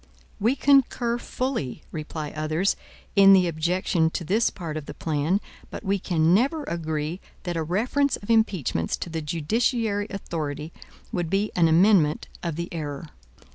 "We concur fully," reply others, "in the objection to this part of the plan, but we can never agree that a reference of impeachments to the judiciary authority would be an amendment of the error.